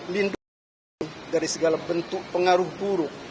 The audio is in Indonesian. lindungi dari segala bentuk pengaruh buruk